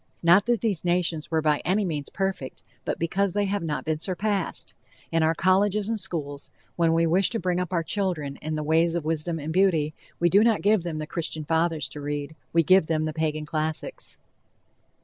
Not that these nations were by any means perfect, but because they have not been surpassed. In our colleges and schools, when we wish to bring up our children in the ways of wisdom and beauty, we do not give them the Christian fathers to read, we give them the Pagan classics.